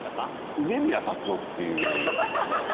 「梅宮辰夫」っていう。